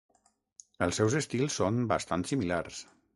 Els seus estils són bastants similars.